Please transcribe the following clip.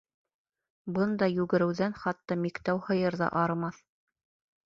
Бындай йүгереүҙән хатта миктәү һыйыр ҙа арымаҫ.